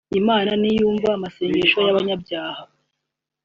Imana ntiyumva amasengesho y'abanyabyaha